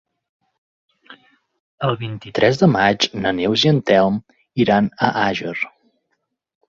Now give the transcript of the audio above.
El vint-i-tres de maig na Neus i en Telm iran a Àger.